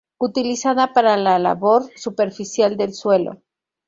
Utilizada para la labor superficial del suelo.